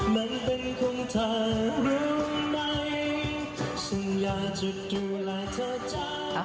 และอันนี้เพื่อเธอมันเป็นของเธอรู้ไหมฉันอยากจะดูแลเธอจ้า